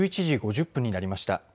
１１時５０分になりました。